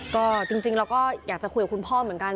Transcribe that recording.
ก็จริงเราก็อยากจะคุยกับคุณพ่อเหมือนกัน